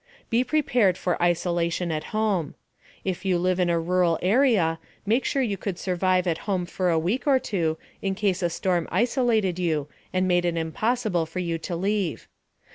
* BE PREPARED FOR ISOLATION AT HOME. If you live in a rural area, make sure you could survive at home for a week or two in case a storm isolated you and made it impossible for you to leave.